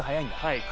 「はい。